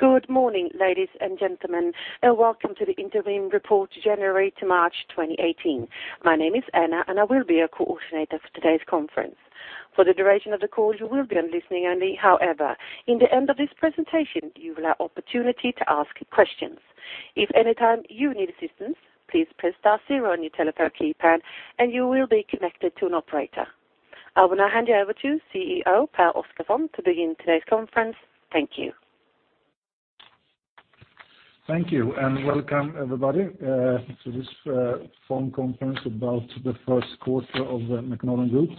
Good morning, ladies and gentlemen, welcome to the interim report, January to March 2018. My name is Anna and I will be your coordinator for today's conference. For the duration of the call, you will be on listening only. However, in the end of this presentation, you will have opportunity to ask questions. If anytime you need assistance, please press star zero on your telephone keypad and you will be connected to an operator. I will now hand you over to CEO Pehr Oscarson to begin today's conference. Thank you. Thank you, and welcome everybody to this phone conference about the first quarter of the Mekonomen Group.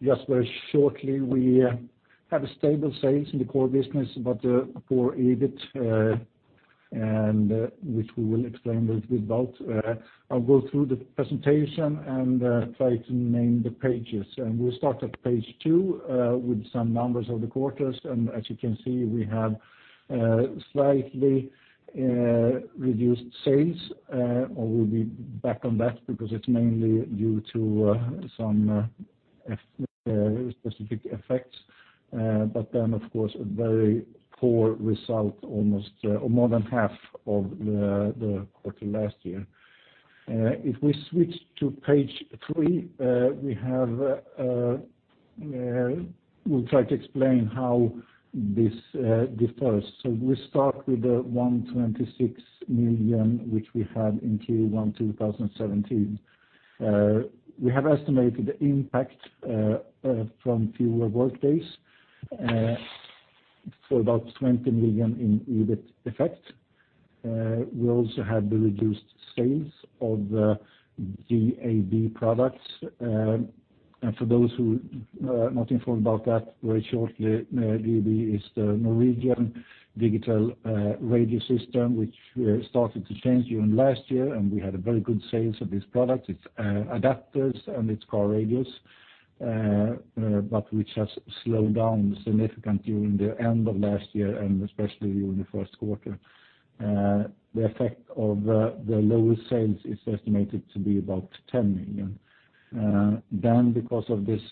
Just very shortly, we have stable sales in the core business, but a poor EBIT, and which we will explain a little bit about. I'll go through the presentation and try to name the pages. We'll start at page two with some numbers of the quarters. As you can see, we have slightly reduced sales, or we'll be back on that because it's mainly due to some specific effects. Then of course, a very poor result, almost or more than half of the quarter last year. If we switch to page three, we'll try to explain how this differs. We start with the 126 million, which we had in Q1 2017. We have estimated the impact from fewer workdays for about 20 million in EBIT effect. We also had the reduced sales of the DAB products. For those who are not informed about that, very shortly, DAB is the Norwegian digital radio system, which started to change during last year, and we had a very good sales of this product. It's adapters and it's car radios, but which has slowed down significantly during the end of last year and especially during the first quarter. The effect of the lower sales is estimated to be about 10 million. Because of this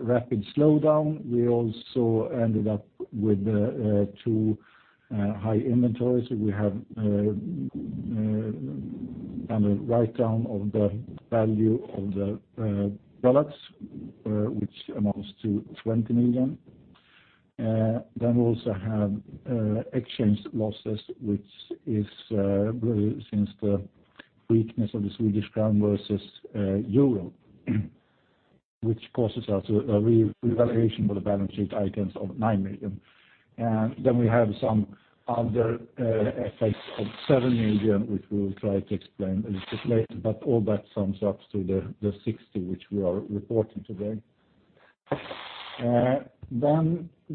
rapid slowdown, we also ended up with too high inventories. We have done a write-down of the value of the products, which amounts to 20 million. We also have exchange losses, which is really since the weakness of the SEK versus EUR, which causes us a revaluation of the balance sheet items of 9 million. We have some other effects of 7 million, which we'll try to explain a little bit later. All that sums up to the 60 million which we are reporting today.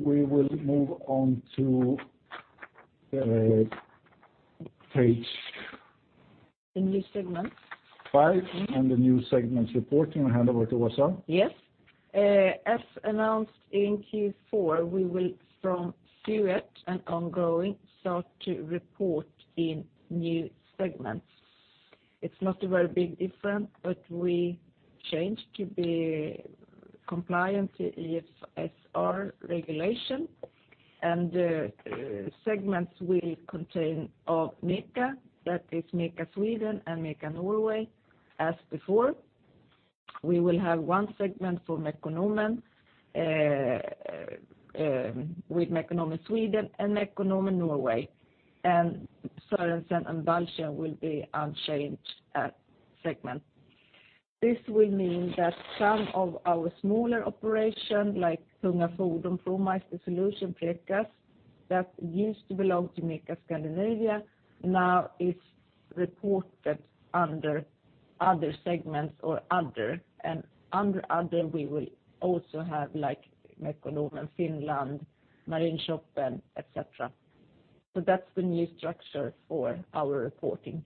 We will move on to page- New segments five and the new segments report. I hand over to Åsa. Yes. As announced in Q4, we will from Q1 and ongoing, start to report in new segments. It's not a very big difference, but we changed to be compliant to EBS regulation. The segments will contain of MECA, that is MECA Sweden and MECA Norway, as before. We will have one segment for Mekonomen, with Mekonomen Sweden and Mekonomen Norway. Sørensen og Balchen will be unchanged segment. This will mean that some of our smaller operation like Tunga Fordon, ProMeister Solutions, Preqas, that used to belong to MECA Scandinavia, now is reported under other segments or other. Under "other", we will also have Mekonomen Finland, Marinshopen, et cetera. That's the new structure for our reporting.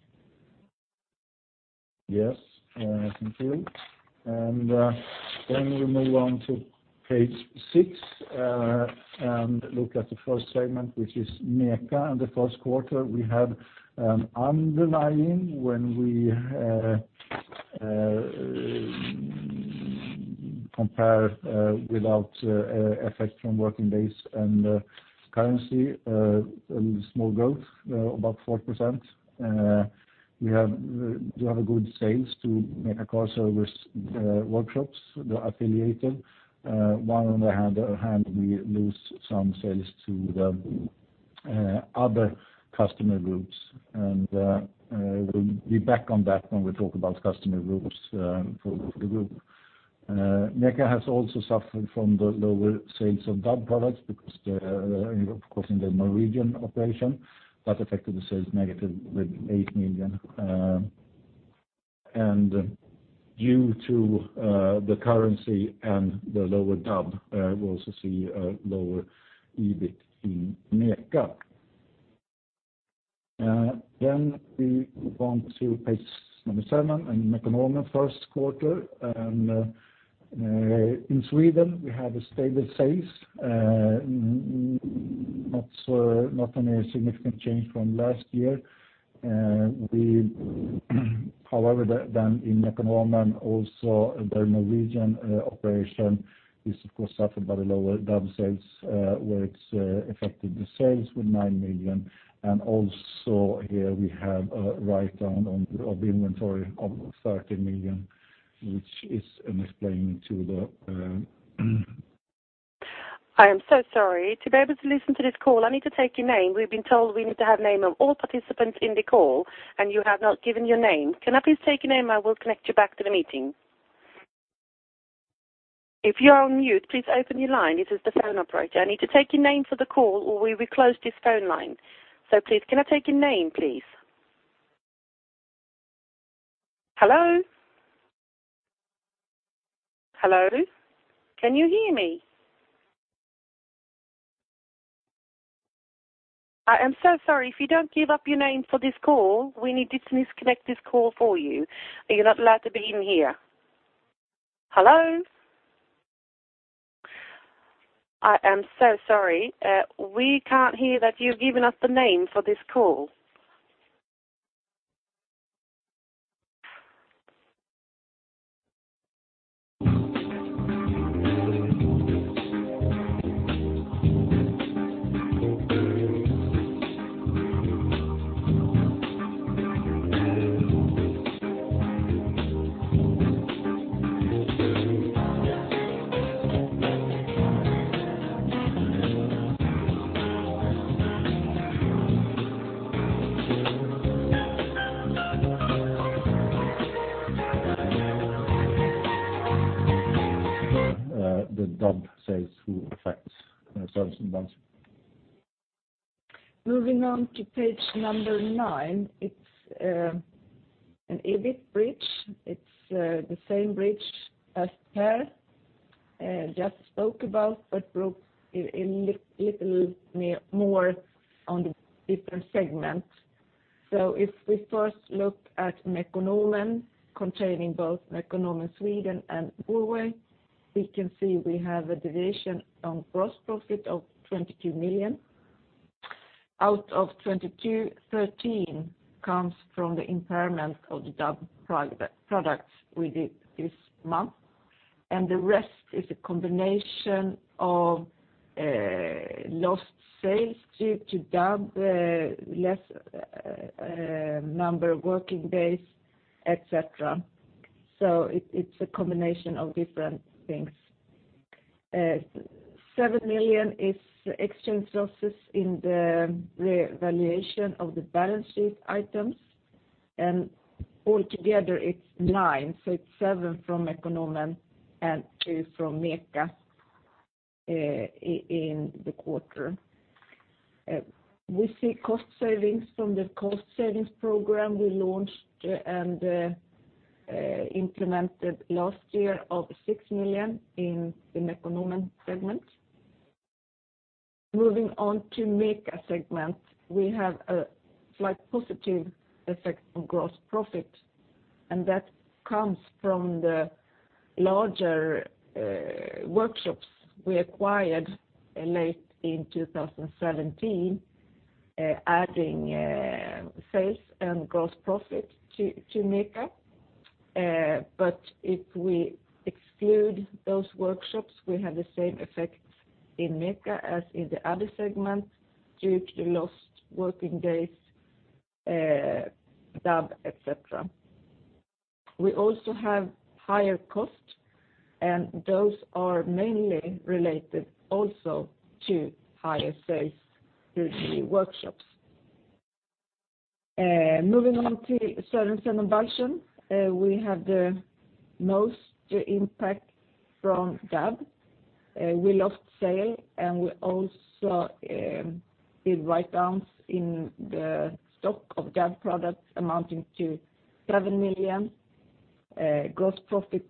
Yes. Thank you. We move on to page six, and look at the first segment, which is MECA. The first quarter we had an underlying when we compare without effect from working days and currency, a small growth, about 4%. We have a lot of good sales to MECA car service workshops, the affiliated. While on the other hand, we lose some sales to the other customer groups. We'll be back on that when we talk about customer groups for the group. MECA has also suffered from the lower sales of DAB products because of course in the Norwegian operation that affected the sales negative with 8 million. Due to the currency and the lower DAB, we also see a lower EBIT in MECA. We move on to page number seven and Mekonomen first quarter. In Sweden we have a stable sales. Not any significant change from last year. In Mekonomen, also the Norwegian operation is of course suffered by the lower DAB sales, where it's affected the sales with 9 million. Also here we have a write-down of the inventory of 13 million. I am so sorry. To be able to listen to this call, I need to take your name. We've been told we need to have name of all participants in the call, and you have not given your name. Can I please take your name? I will connect you back to the meeting. If you are on mute, please open your line. It is the phone operator. I need to take your name for the call, or we will close this phone line. Please, can I take your name, please? Hello? Hello? Can you hear me? I am so sorry. If you don't give up your name for this call, we need to disconnect this call for you, and you're not allowed to be in here. Hello? I am so sorry. We can't hear that you've given us the name for this call. The DAB sales which affects Sørensen og Balchen. Moving on to page number nine. It's an EBIT bridge. It's the same bridge as Pehr just spoke about, but broke a little more on the different segments. If we first look at Mekonomen, containing both Mekonomen Sweden and Norway, we can see we have a deviation on gross profit of 22 million. Out of 22 million, 13 million comes from the impairment of the DAB products we did this month, and the rest is a combination of lost sales due to DAB, less number of working days, et cetera. It's a combination of different things. 7 million is exchange losses in the revaluation of the balance sheet items, and altogether it's 9 million. It's 7 million from Mekonomen and 2 million from MECA in the quarter. We see cost savings from the cost savings program we launched and implemented last year of 6 million in the Mekonomen segment. Moving on to MECA segment, we have a slight positive effect on gross profit. That comes from the larger workshops we acquired late in 2017, adding sales and gross profit to MECA. If we exclude those workshops, we have the same effect in MECA as in the other segment due to lost working days, DAB, et cetera. We also have higher costs, and those are mainly related also to higher sales due to workshops. Moving on to Sørensen og Balchen. We have the most impact from DAB. We lost sale, and we also did write-downs in the stock of DAB products amounting to 7 million. Gross profit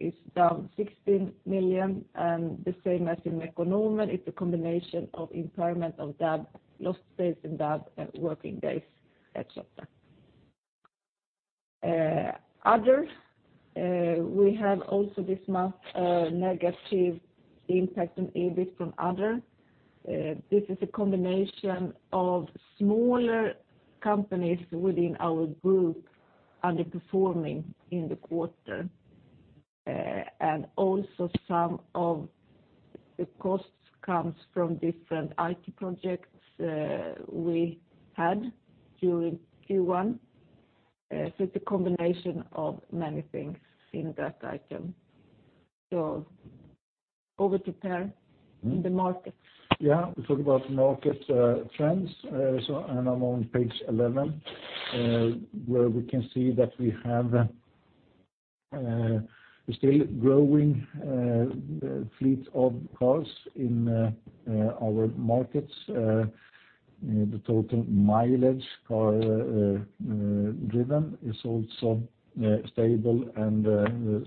is down 16 million, and the same as in Mekonomen, it's a combination of impairment of DAB, lost sales in DAB, working days, et cetera. Other, we have also this month a negative impact on EBIT from other. This is a combination of smaller companies within our group underperforming in the quarter. Also some of the costs comes from different IT projects we had during Q1. It's a combination of many things in that item. Over to Pehr in the market. We talk about market trends. I'm on page 11, where we can see that we have a still growing fleet of cars in our markets. The total mileage car driven is also stable and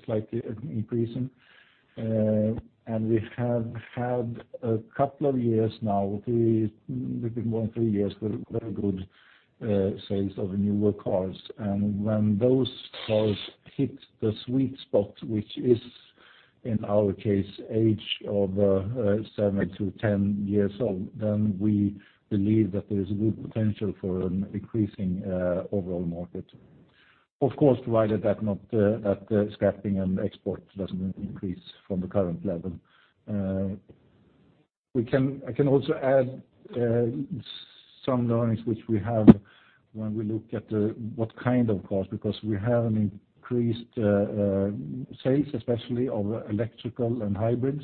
slightly increasing. We have had a couple of years now, it's been more than three years, with very good sales of newer cars. When those cars hit the sweet spot, which is in our case, age of seven to 10 years old, then we believe that there is a good potential for an increasing overall market. Of course, provided that scrapping and export doesn't increase from the current level. I can also add some learnings which we have when we look at what kind of cars, because we have an increased sales, especially of electrical and hybrids.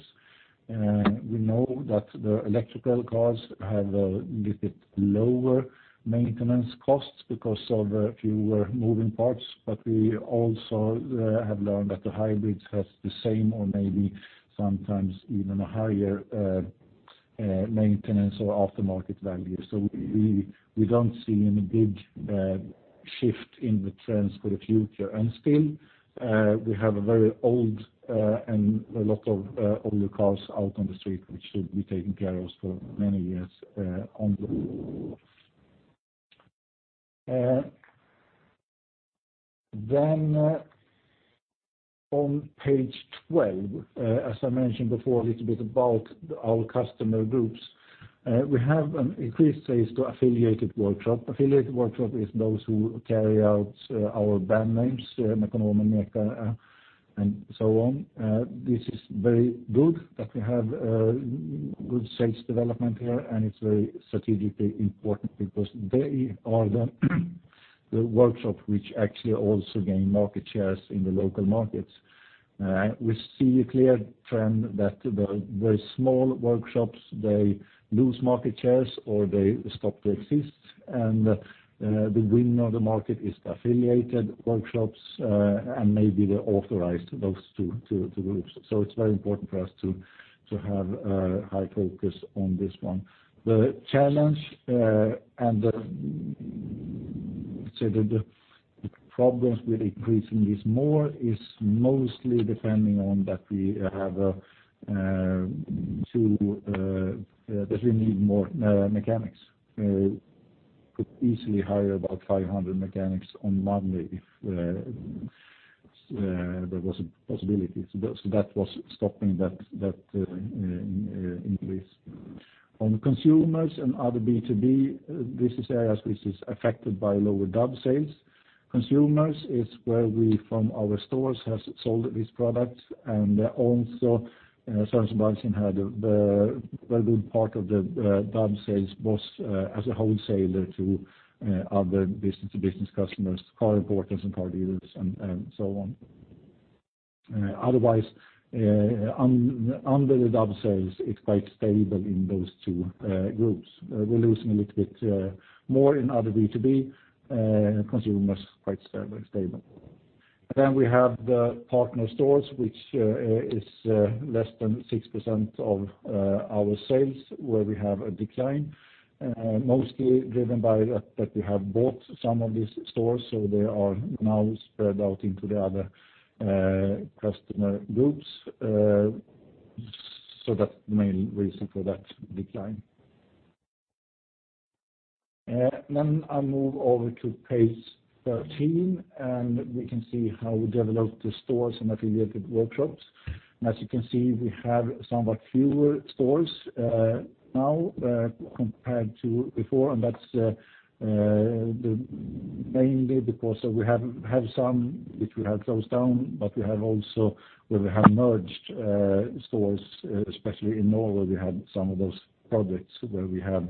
We know that the electrical cars have a little bit lower maintenance costs because of the fewer moving parts. We also have learned that the hybrids has the same or maybe sometimes even a higher maintenance or aftermarket value. We don't see any big shift in the trends for the future. Still, we have a very old and a lot of older cars out on the street, which should be taking ProMeister for many years on the road. On page 12, as I mentioned before a little bit about our customer groups, we have an increased sales to affiliated workshop. Affiliated workshop is those who carry out our brand names, Mekonomen, MECA, and so on. This is very good that we have good sales development here, and it's very strategically important because they are the workshop which actually also gain market shares in the local markets. We see a clear trend that the very small workshops, they lose market shares or they stop to exist, and the winner of the market is affiliated workshops, and maybe the authorized those two groups. It's very important for us to have a high focus on this one. The challenge, and the problems with increasing this more is mostly depending on that we need more mechanics. Could easily hire about 500 mechanics on Monday if there was a possibility. That was stopping that increase. On consumers and other B2B business areas, which is affected by lower DAB sales. Consumers is where we from our stores has sold these products, and also Svenska Bildelar had the very good part of the DAB sales was as a wholesaler to other business-to-business customers, car importers and car dealers and so on. Otherwise, under the DAB sales, it's quite stable in those two groups. We're losing a little bit more in other B2B, consumers quite stable. We have the partner stores, which is less than 6% of our sales where we have a decline, mostly driven by that we have bought some of these stores, they are now spread out into the other customer groups. That's the main reason for that decline. I move over to page 13, and we can see how we develop the stores and affiliated workshops. As you can see, we have somewhat fewer stores now compared to before, and that's mainly because we have some which we have closed down, but we have also where we have merged stores, especially in Norway, we had some of those projects where we have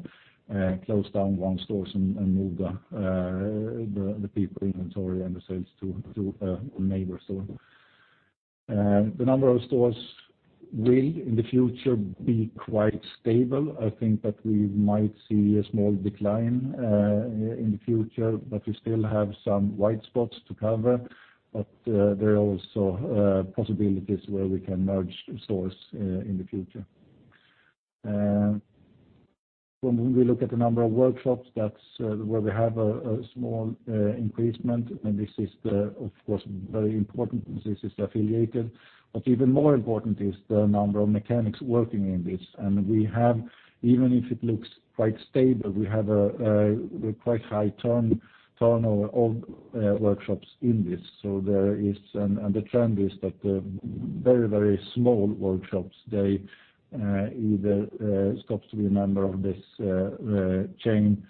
closed down one store and moved the people, inventory and the sales to a neighbor store. The number of stores will, in the future, be quite stable. I think that we might see a small decline in the future, but we still have some white spots to cover, but there are also possibilities where we can merge stores in the future. When we look at the number of workshops, that's where we have a small increasement, and this is of course very important since this is affiliated. Even more important is the number of mechanics working in this. We have, even if it looks quite stable, we have a quite high turnover of workshops in this. The trend is that the very small workshops, they either stop to be a member of this chain.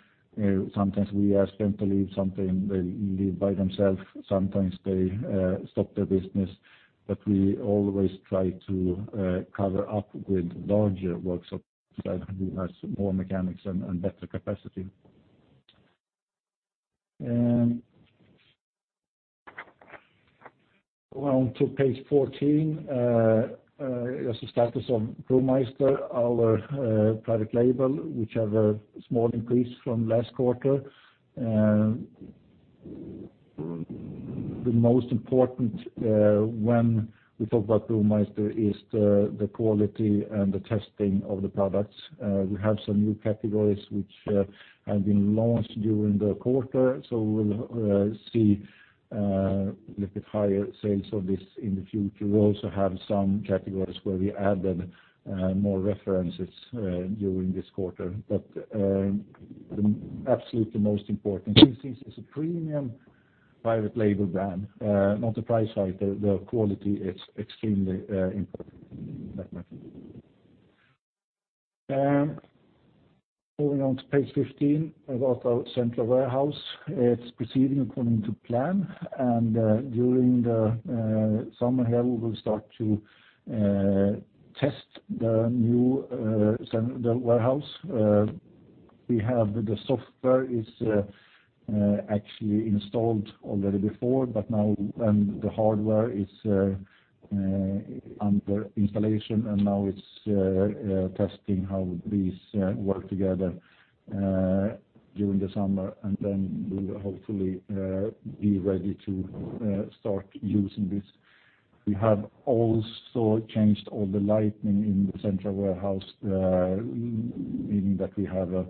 Sometimes we ask them to leave something, they leave by themselves. Sometimes they stop their business. We always try to cover up with larger workshops that has more mechanics and better capacity. On to page 14, as the status of ProMeister, our product label, which have a small increase from last quarter. The most important when we talk about ProMeister is the quality and the testing of the products. We have some new categories which have been launched during the quarter, we'll see a little bit higher sales of this in the future. We also have some categories where we added more references during this quarter. Absolutely most important, since it's a premium Private label brand. Not the price side, the quality is extremely important in that market. Moving on to page 15 about our central warehouse. It's proceeding according to plan, and during the summer here we will start to test the new warehouse. We have the software is actually installed already before, but now when the hardware is under installation and now it's testing how these work together, during the summer and then we'll hopefully be ready to start using this. We have also changed all the lighting in the central warehouse, meaning that we have a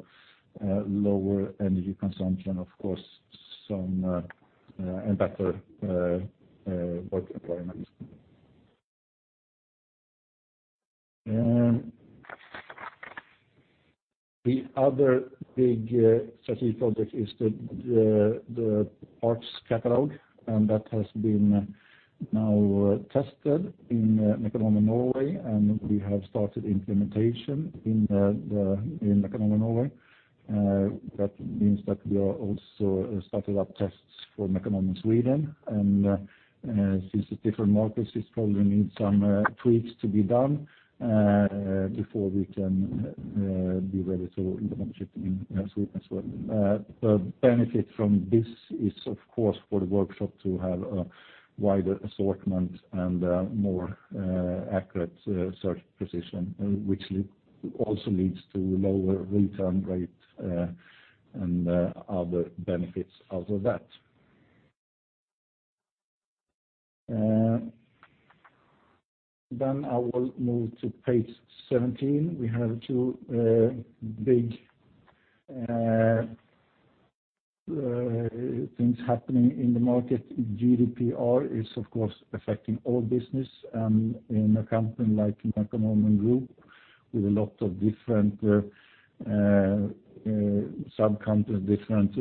lower energy consumption, of course, and better work environment. The other big strategy project is the parts catalog, and that has been now tested in Mekonomen Norway, and we have started implementation in Mekonomen Norway. That means that we are also started up tests for Mekonomen Sweden and since it's different markets, it's probably need some tweaks to be done before we can be ready to launch it in Sweden as well. The benefit from this is, of course, for the workshop to have a wider assortment and a more accurate search position, which also leads to lower return rate and other benefits out of that. I will move to page 17. We have two big things happening in the market. GDPR is, of course, affecting all business and in a company like Mekonomen Group with a lot of different sub-companies, different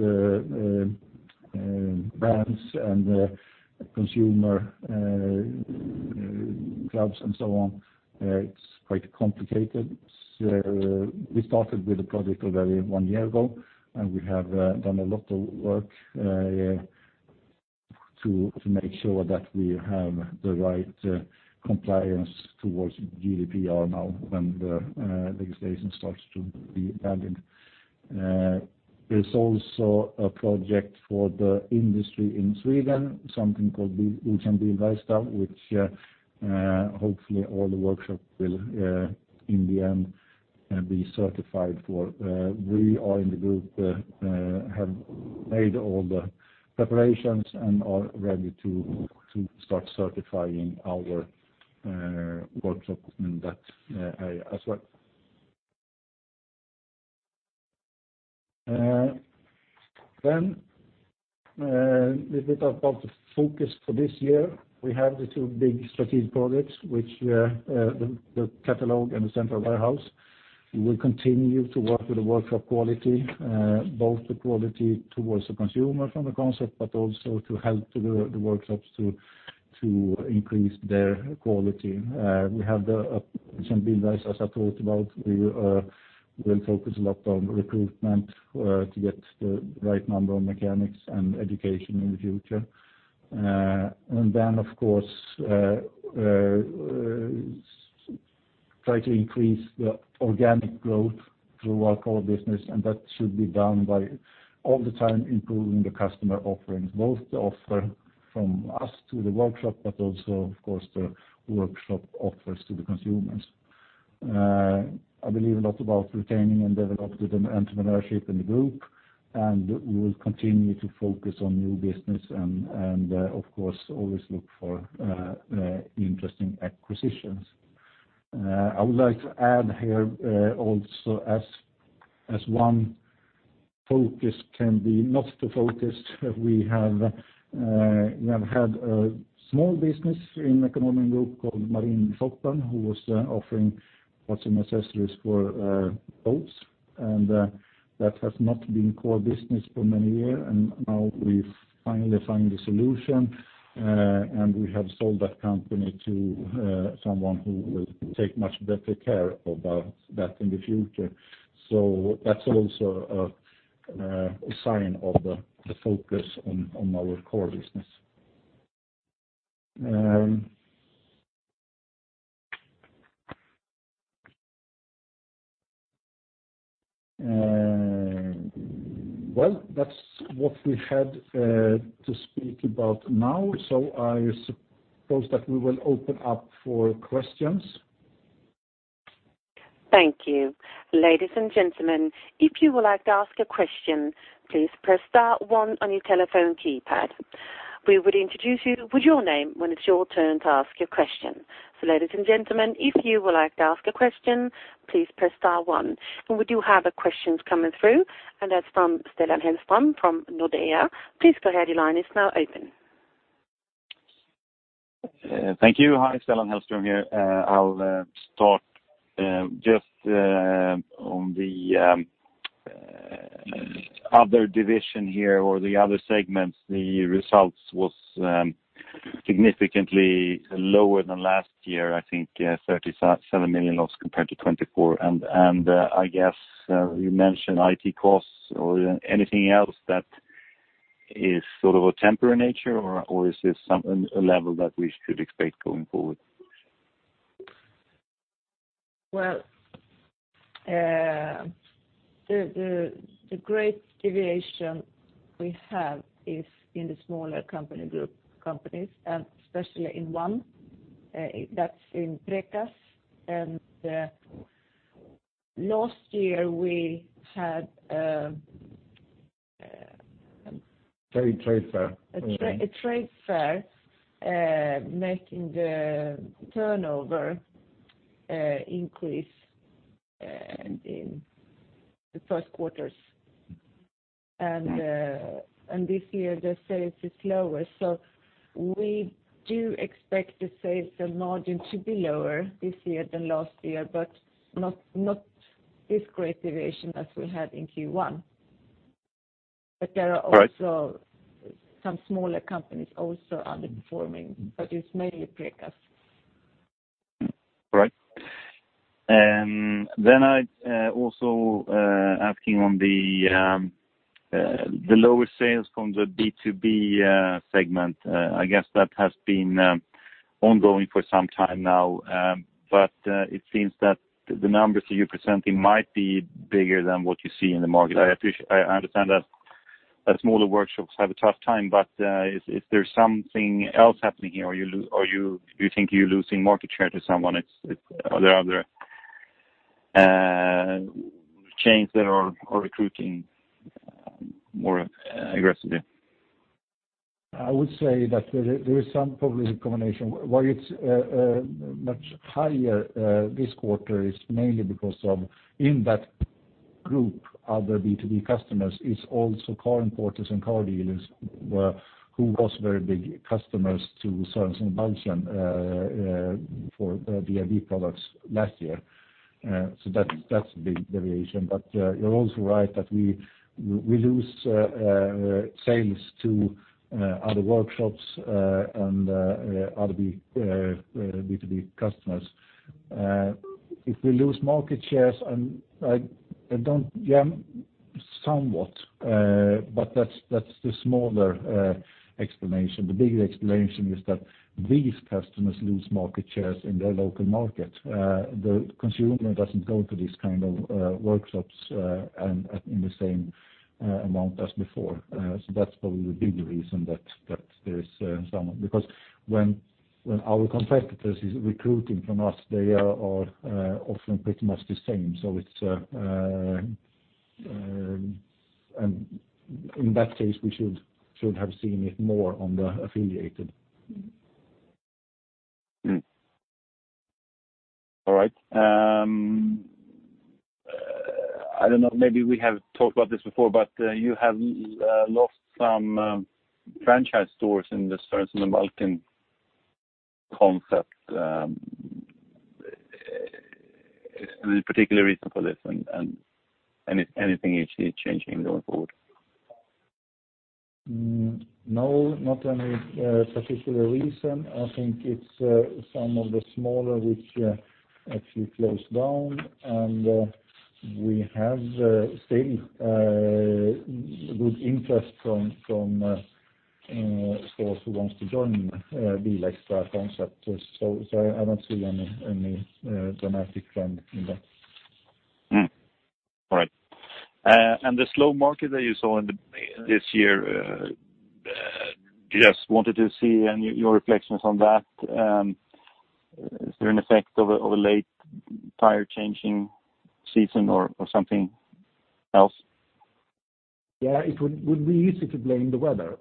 brands, and consumer clubs and so on. It's quite complicated. We started with the project already one year ago, and we have done a lot of work to make sure that we have the right compliance towards GDPR now when the legislation starts to be valid. There's also a project for the industry in Sweden, something called Utbildningssystem, which hopefully all the workshops will in the end be certified for. We in the group have made all the preparations and are ready to start certifying our workshop in that area as well. A little bit about the focus for this year. We have the two big strategic projects, which are the catalog and the central warehouse. We will continue to work with the workshop quality, both the quality towards the consumer from the concept, but also to help the workshops to increase their quality. We have the Utbildningssystem I talked about. We will focus a lot on recruitment to get the right number of mechanics and education in the future. Of course, try to increase the organic growth through our core business, that should be done by all the time improving the customer offerings, both the offer from us to the workshop, but also, of course, the workshop offers to the consumers. I believe a lot about retaining and developing the entrepreneurship in the group, we will continue to focus on new business and of course always look for interesting acquisitions. I would like to add here also as one focus can be not to focus, we have had a small business in Mekonomen Group called Marinshopen, who was offering parts and accessories for boats, and that has not been core business for many year, and now we've finally found a solution, and we have sold that company to someone who will take much better care about that in the future. That's also a sign of the focus on our core business. That's what we had to speak about now, I suppose that we will open up for questions. Thank you. Ladies and gentlemen, if you would like to ask a question, please press star one on your telephone keypad. We would introduce you with your name when it's your turn to ask your question. Ladies and gentlemen, if you would like to ask a question, please press star one. We do have the questions coming through, and that's from Stellan Hellström from Nordea. Please go ahead, your line is now open Thank you. Hi, Stellan Hellström here. I'll start just on the other division here or the other segments. The results was significantly lower than last year, I think 37 million loss compared to 24 million. I guess you mentioned IT costs or anything else that is sort of a temporary nature or is this a level that we should expect going forward? The great deviation we have is in the smaller company group companies and especially in one, that's in Preqas. Last year we had. A trade fair A trade fair making the turnover increase in the first quarters. This year the sales is lower. We do expect the sales margin to be lower this year than last year, but not this great deviation as we had in Q1. There are also some smaller companies also underperforming, but it's mainly Preqas. Right. I also asking on the lower sales from the B2B segment. I guess that has been ongoing for some time now, but it seems that the numbers you're presenting might be bigger than what you see in the market. I understand that smaller workshops have a tough time, but is there something else happening here or you think you're losing market share to someone? Are there other chains that are recruiting more aggressively? I would say that there is some probably combination. Why it's much higher this quarter is mainly because of in that group, other B2B customers is also car importers and car dealers who was very big customers to Sørensen og Balchen for the DAB products last year. That's a big variation. You're also right that we lose sales to other workshops and other B2B customers. If we lose market shares, somewhat, but that's the smaller explanation. The bigger explanation is that these customers lose market shares in their local market. The consumer doesn't go to these kind of workshops in the same amount as before. That's probably the bigger reason that there is some. When our competitors is recruiting from us, they are often pretty much the same. In that case, we should have seen it more on the affiliated. All right. I don't know, maybe we have talked about this before, but you have lost some franchise stores in the Sørensen og Balchen concept. Any particular reason for this and anything you see changing going forward? No, not any particular reason. I think it's some of the smaller which actually closed down and we have still good interest from stores who wants to join the BilXtra concept. I don't see any dramatic trend in that. Right. The slow market that you saw this year- Yes I just wanted to see your reflections on that. Is there an effect of a late tire changing season or something else? Yeah, it would be easy to blame the weather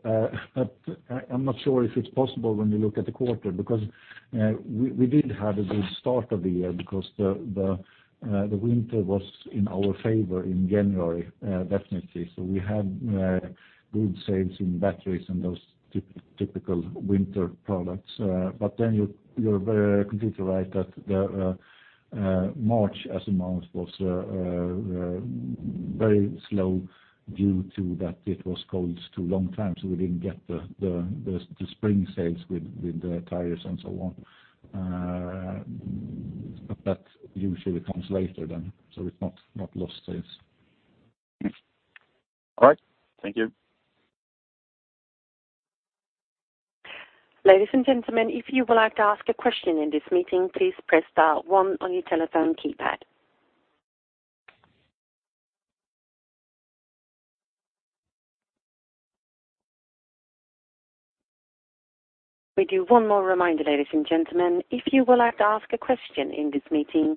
but I'm not sure if it's possible when you look at the quarter because we did have a good start of the year because the winter was in our favor in January definitely. We had good sales in batteries and those typical winter products. You're completely right that March as a month was very slow due to that it was cold too long time so we didn't get the spring sales with the tires and so on. That usually comes later than, so it's not lost sales. All right. Thank you. Ladies and gentlemen, if you would like to ask a question in this meeting, please press dial one on your telephone keypad. We do one more reminder, ladies and gentlemen. If you would like to ask a question in this meeting,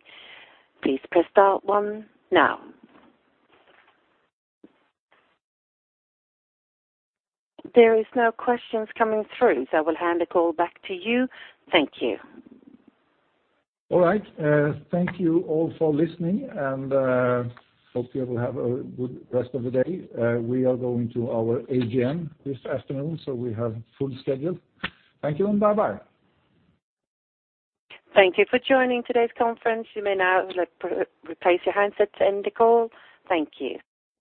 please press dial one now. There is no questions coming through, so we'll hand the call back to you. Thank you. All right. Thank you all for listening and hope you will have a good rest of the day. We are going to our AGM this afternoon so we have full schedule. Thank you and bye-bye. Thank you for joining today's conference. You may now replace your handsets end the call. Thank you.